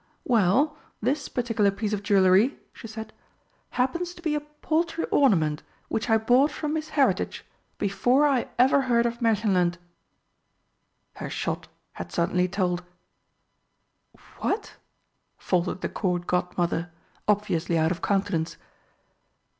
"Well, this particular piece of jewellery," she said, "happens to be a paltry ornament which I bought from Miss Heritage before I ever heard of Märchenland." Her shot had certainly told. "What?" faltered the Court Godmother, obviously out of countenance.